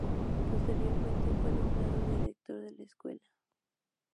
Posteriormente fue nombrado Director de la Escuela.